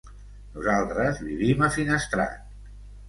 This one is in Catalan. Nosaltres vivim a Finestrat.